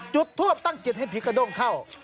จุดทูบตั้งจิตให้ผีกระด้งเข้า